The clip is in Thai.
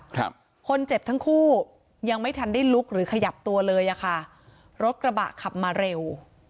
ครับคนเจ็บทั้งคู่ยังไม่ทันได้ลุกหรือขยับตัวเลยอ่ะค่ะรถกระบะขับมาเร็ว